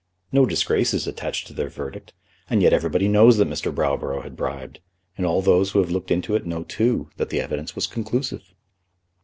No disgrace is attached to their verdict, and yet everybody knows that Mr. Browborough had bribed, and all those who have looked into it know, too, that the evidence was conclusive."